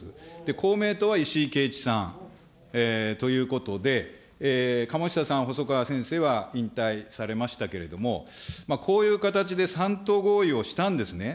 公明党は石井啓一さんということで、ということで、鴨下さん、細川先生は引退されましたけれども、こういう形で三党合意をしたんですね。